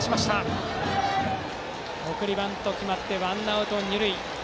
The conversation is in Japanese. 送りバント決まってワンアウト二塁。